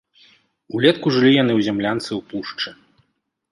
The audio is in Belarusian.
Улетку жылі яны ў зямлянцы ў пушчы.